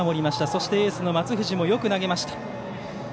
そして、エースの松藤もよく投げました。